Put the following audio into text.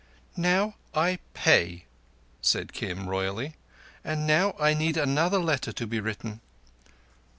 "Now I pay," said Kim royally, "and now I need another letter to be written."